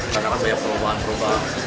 karena rasanya perubahan perubahan